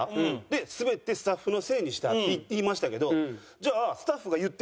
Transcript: でスベってスタッフのせいにしたって言いましたけどじゃあスタッフが「言ってくれこれで」って。